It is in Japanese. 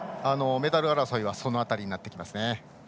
メダル争いはその辺りになってきますね。